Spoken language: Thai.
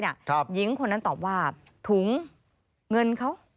หญิงคนนั้นตอบว่าถุงเงินเขา